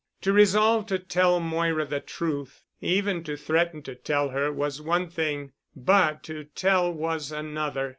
To resolve to tell Moira the truth, even to threaten to tell her was one thing, but to tell was another.